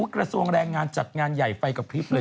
กระทรวงแรงงานจัดงานใหญ่ไฟกระพริบเลย